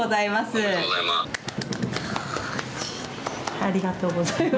ありがとうございます。